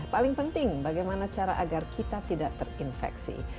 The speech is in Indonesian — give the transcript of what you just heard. paling penting bagaimana cara agar kita tidak terinfeksi